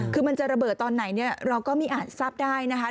คือมันจะระเบิดตอนไหนเนี่ยเราก็ไม่อาจทราบได้นะคะ